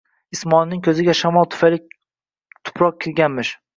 Ismoilning ko'ziga shamol tufayli tuproq kirganmish